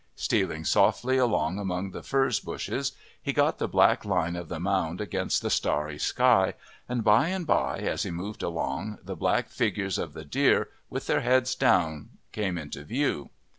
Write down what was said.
Stealing softly along among the furze bushes, he got the black line of the mound against the starry sky, and by and by, as he moved along, the black figures of the deer, with their heads down, came into view.